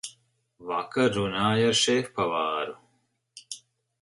Vakar runāju ar šefpavāru.